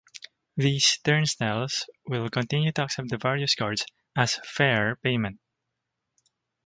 These turnstiles will continue to accept the various cards as fare payment.